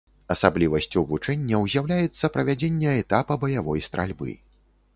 Асаблівасцю вучэнняў з'яўляецца правядзення этапа баявой стральбы.